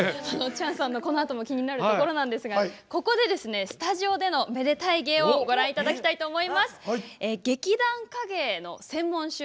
チャンさんのこのあとも気になるところですがここで、スタジオでのめでたい芸をご覧いただきたいと思います。